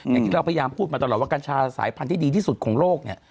อย่างที่เราพยายามพูดมาตลอดว่ากัญชาสายพันธุ์ที่ดีที่สุดของโลกเนี่ย